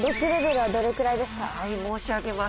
はい申し上げます。